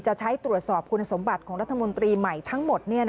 จะใช้ตรวจสอบคุณสมบัติของรัฐมนตรีใหม่ทั้งหมด